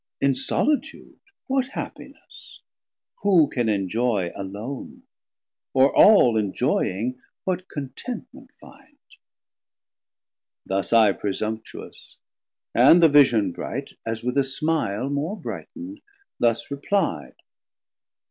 In solitude What happiness, who can enjoy alone, Or all enjoying, what contentment find? Thus I presumptuous; and the vision bright, As with a smile more bright'nd, thus repli'd.